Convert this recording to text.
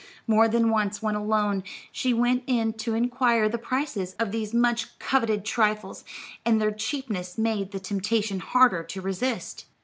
More than once, when alone, she went in to inquire the prices of these much coveted trifles, and their cheapness made the temptation harder to resist.